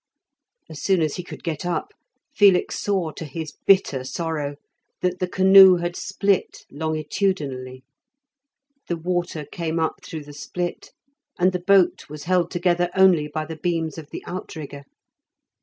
As soon as he could get up, Felix saw, to his bitter sorrow, that the canoe had split longitudinally; the water came up through the split, and the boat was held together only by the beams of the outrigger.